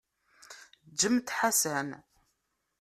Ǧǧemt Ḥasan.